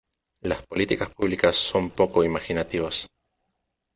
Las políticas públicas son poco imaginativas.